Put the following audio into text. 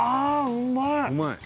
うまい？